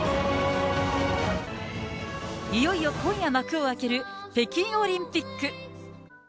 いよいよ今夜、幕を開ける北京オリンピック。